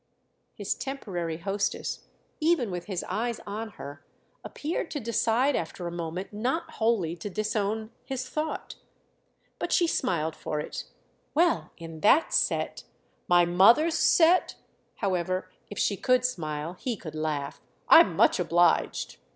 His temporary hostess, even with his eyes on her, appeared to decide after a moment not wholly to disown his thought. But she smiled for it. "Well, in that set——!" "My mother's set?" However, if she could smile he could laugh. "I'm much obliged!"